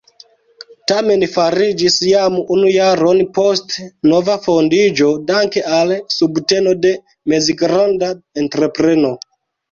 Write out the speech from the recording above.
Tamen fariĝis jam unu jaron poste nova fondiĝo danke al subteno de mezgranda entrepreno.